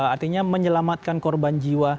artinya menyelamatkan korban jiwa